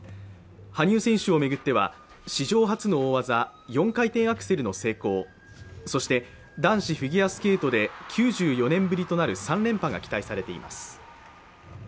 羽生選手を巡っては、史上初の大技、４回転アクセルの成功、そして男子フィギュアスケートで９４年ぶりとなる３連覇が期待されています。